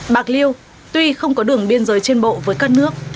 bạc liêu tuy không có đường biên giới trên bộ với các nước